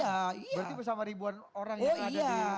berarti bersama ribuan orang yang ada di depan istana ya